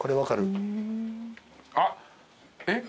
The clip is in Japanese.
あっえっ？